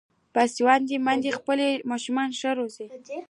باسواده میندې خپل ماشومان ښه روزي.